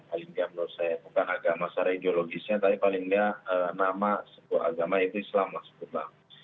paling tidak menurut saya bukan agama secara ideologisnya tapi paling nggak nama sebuah agama yaitu islam lah sebut